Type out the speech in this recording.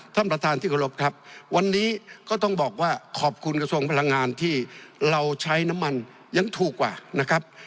ท่านประธานที่เคารพครับวันนี้ก็ต้องบอกว่าขอบคุณกระทรวงพลังงานที่เราใช้น้ำมันยังถูกกว่านะครับ